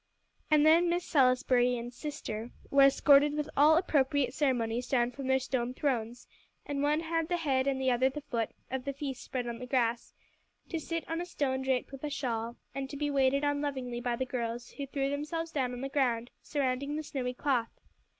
And then Miss Salisbury and "sister" were escorted with all appropriate ceremonies down from their stone thrones, and one had the head and the other the foot of the feast spread on the grass, to sit on a stone draped with a shawl, and to be waited on lovingly by the girls, who threw themselves down on the ground, surrounding the snowy cloth.